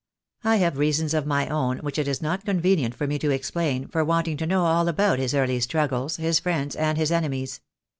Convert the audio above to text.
I have reasons of my own, which it is not convenient for me to explain, for wanting to know all about his early struggles, his friends, and his enemies.